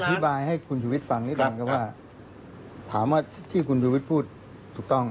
อธิบายให้คุณชุวิตฟังนิดหนึ่งครับว่าถามว่าที่คุณชูวิทย์พูดถูกต้อง